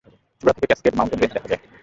চূড়া থেকে cascade mountain range দেখা যায়।